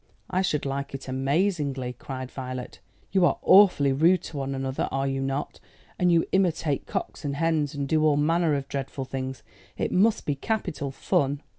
"I should like it amazingly," cried Violet. "You are awfully rude to one another, are you not? And you imitate cocks and hens; and do all manner of dreadful things. It must be capital fun."